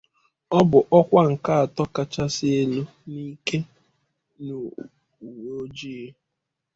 Ọ bụ ọkwa nke atọ kachasị elu na ike n'uwe ojii.